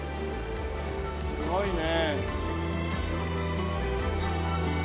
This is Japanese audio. すごいね。